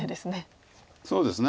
そうですね。